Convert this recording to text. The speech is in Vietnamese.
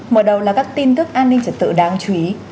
mở đầu là các tin tức an ninh trật tự đáng chú ý